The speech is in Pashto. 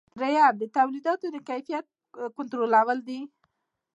دریم د تولیداتو د کیفیت کنټرولول دي.